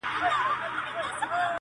مُلا دي لولي زه سلګۍ درته وهمه٫